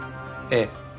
ええ。